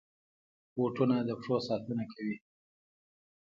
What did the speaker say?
بوټان د پښو ساتنه کوي